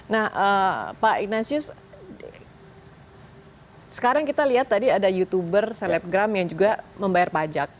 nah pak ignatius sekarang kita lihat tadi ada youtuber selebgram yang juga membayar pajak